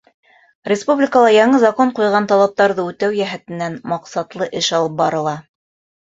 Республикала яңы закон ҡуйған талаптарҙы үтәү йәһәтенән маҡсатлы эш алып барыла.